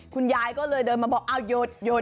คุณยายก็เลยเดินมาบอกอ้าวหยุดหยุด